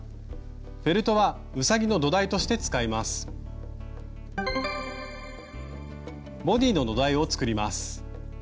フェルトはうさぎの土台として使います。